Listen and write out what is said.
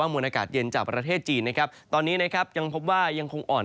มวลอากาศเย็นจากประเทศจีนนะครับตอนนี้นะครับยังพบว่ายังคงอ่อน